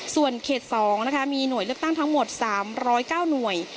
ส่วนเขต๒นะคะมีหน่วยเลือกตั้งทั้งหมด๓๐๙หน่วย